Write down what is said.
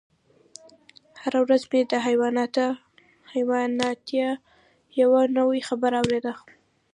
هره ورځ مې د حيرانتيا يوه نوې خبره اورېدله.